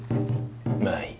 まあいい。